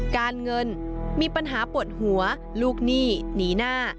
การเงินมีปัญหาปวดหัวลูกหนี้หนีหน้า